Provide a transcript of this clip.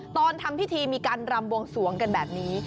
ตอนทำพิธีมีการรำบวงสวงกันแบบนี้